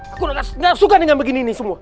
aku gak suka dengan begini ini semua